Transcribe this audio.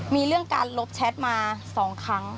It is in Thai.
มีเรื่องการลบแชทมา๒ครั้ง